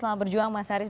selamat berjuang mas haris